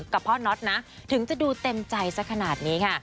กับพ่อน็อตนะถึงจะดูเต็มใจสักขนาดนี้ค่ะ